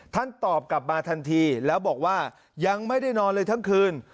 ตอบกลับมาทันทีแล้วบอกว่ายังไม่ได้นอนเลยทั้งคืน